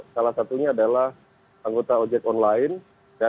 salah satunya adalah anggota ojek online